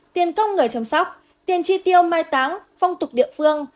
tiền công người chăm sóc tiền chi tiêu mai táng phong tục địa phương